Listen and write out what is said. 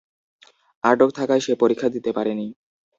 আটক থাকায় সে পরীক্ষা দিতে পারেনি।